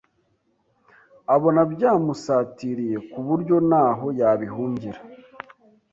Abona byamusatiriye ku buryo ntaho yabihungira